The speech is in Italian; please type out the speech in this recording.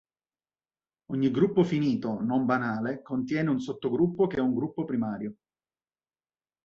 Ogni gruppo finito non banale contiene un sottogruppo che è un gruppo primario.